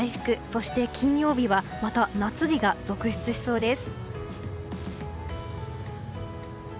そして金曜日はまた夏日が続出しそうです。